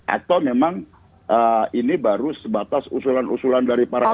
atau memang ini baru sebatas usulan usulan dari para pihak